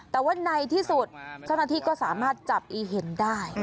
แต่ว่าในที่สุดเจ้าหน้าที่ก็สามารถจับอีเห็นได้